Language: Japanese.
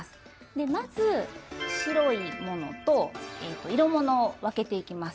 でまず白いものと色ものを分けていきます。